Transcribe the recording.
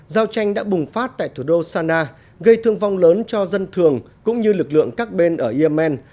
giao tranh đã bùng phát tại thủ đô sana gây thương vong lớn cho dân thường cũng như lực lượng các bên ở yemen